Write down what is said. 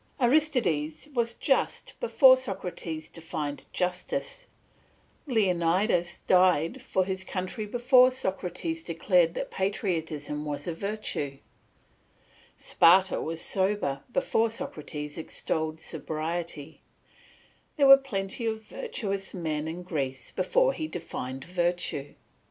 Aristides was just before Socrates defined justice; Leonidas died for his country before Socrates declared that patriotism was a virtue; Sparta was sober before Socrates extolled sobriety; there were plenty of virtuous men in Greece before he defined virtue.